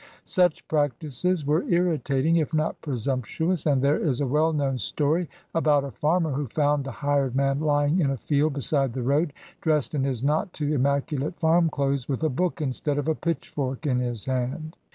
Such practices were irritating, if not presump tuous, and there is a well known story about a farmer who found "the hired man" hying in a field beside the road, dressed in his not too immaculate farm clothes, with a book instead of a pitchfork in his hand.